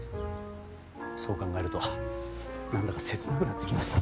そう考えると何だか切なくなってきました。